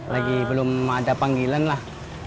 lagi belum ada panggilan lah